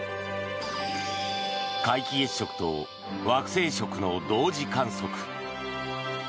皆既月食と惑星食の同時観測。